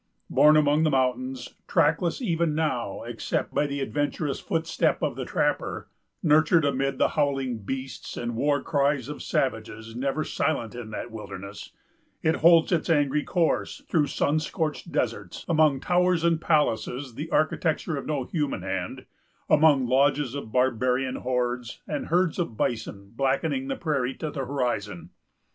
Born among mountains, trackless even now, except by the adventurous footstep of the trapper,——nurtured amid the howling of beasts and the war cries of savages, never silent in that wilderness,——it holds its angry course through sun scorched deserts, among towers and palaces, the architecture of no human hand, among lodges of barbarian hordes, and herds of bison blackening the prairie to the horizon.